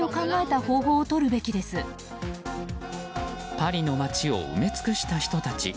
パリの街を埋め尽くした人たち。